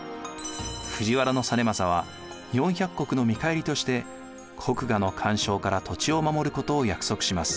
藤原実政は４００石の見返りとして国衙の干渉から土地を守ることを約束します。